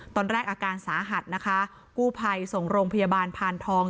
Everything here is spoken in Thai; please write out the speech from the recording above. ตอนแรกอาการสาหัสนะคะกู้ไพยส่งโรงพยาบาลผ่านทอง